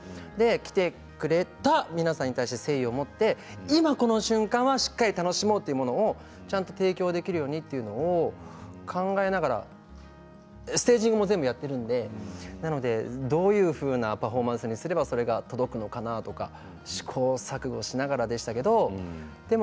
来てくれた皆さんに誠意を持って今この瞬間はしっかり楽しもうというものをちゃんと提供できるようにというの考えながらステージングも全部やっているのでなので、どういうふうなパフォーマンスにすればそれが届くのかなとか試行錯誤しながらでしたけれども。